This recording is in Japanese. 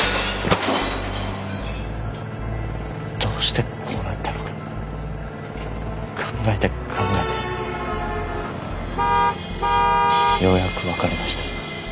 どうしてこうなったのか考えて考えてようやくわかりました。